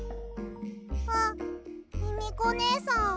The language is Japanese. あミミコねえさん。